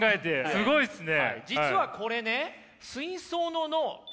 すごいですね。